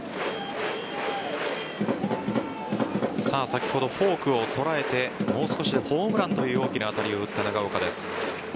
先ほどフォークを捉えてもう少しでホームランという大きな当たりを打った長岡です。